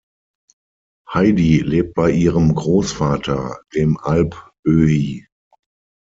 Heidi lebt bei ihrem Grossvater, dem Alp-Oehi.